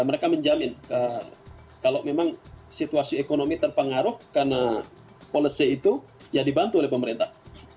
mereka menjamin kalau memang situasi ekonomi terpengaruh karena policy itu ya dibantu oleh pemerintah